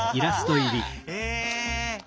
へえ。